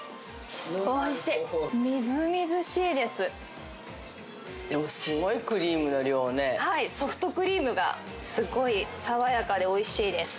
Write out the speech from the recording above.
おいしいみずみずしいですでもすごいクリームの量ねはいソフトクリームがすごい爽やかでおいしいです